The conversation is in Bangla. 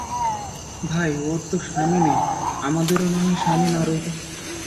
ভাই, ওঁর তো স্বামী নেই, আমাদেরও নাহয় স্বামী না রইল।